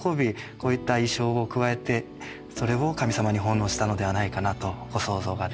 こういった意匠を加えてそれを神様に奉納したのではないかなと想像ができますね。